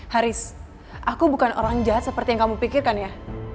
haris aku bukan orang jahat seperti yang kamu pikirkan ya